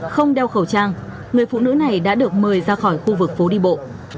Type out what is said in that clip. không đeo khẩu trang người phụ nữ này đã được mời ra khỏi khu vực phố đi bộ